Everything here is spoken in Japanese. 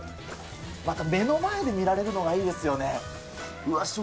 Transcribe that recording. また目の前で見られるのがいいですよね。